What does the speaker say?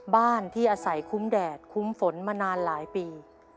บ้านที่อาศัยคุ้มแดดคุ้มฝนมานานหลายปี